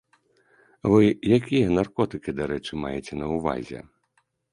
Вы якія наркотыкі, дарэчы, маеце на ўвазе?